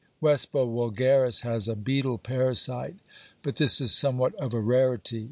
Vespa vulgaris has a beetle parasite, but this is somewhat of a rarity.